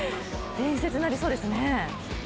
伝説になりそうですね。